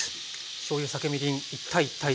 しょうゆ酒みりん１：１：１。